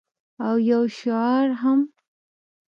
او یو شعار هم